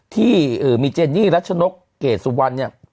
ที่มีเจนนี่รัชนกเกดสุวรรณเนี่ย